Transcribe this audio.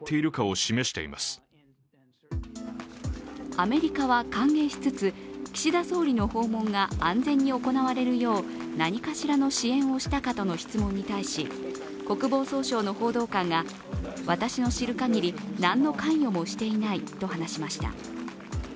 アメリカは歓迎しつつ、岸田総理の訪問が安全に行われるよう何かしらの支援をしたかとの質問に対し国防総省の報道官が、私の知るかぎり何の関与もしていないと話しました。